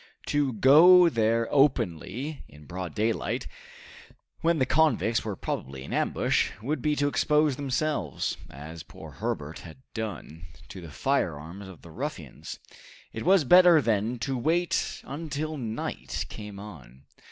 To go there openly, in broad daylight, when the convicts were probably in ambush, would be to expose themselves, as poor Herbert had done, to the firearms of the ruffians. It was better, then, to wait until night came on.